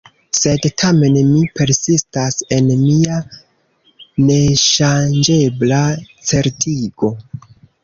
Sed tamen mi persistas en mia neŝanĝebla certigo.